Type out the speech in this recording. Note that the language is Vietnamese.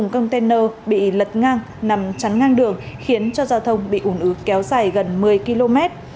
một container bị lật ngang nằm chắn ngang đường khiến cho giao thông bị ủn ứ kéo dài gần một mươi km